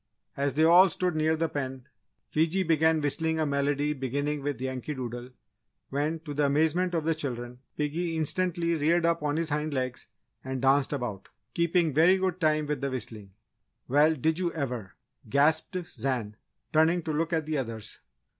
As they all stood near the pen, Fiji began whistling a medley beginning with Yankee Doodle, when, to the amazement of the children, piggy instantly reared up on his hind legs and danced about, keeping very good time with the whistling. "Well, did you ever!" gasped Zan, turning to look at the others.